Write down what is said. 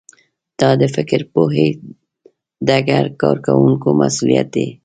دا د فکر پوهې ډګر کارکوونکو مسوولیت دی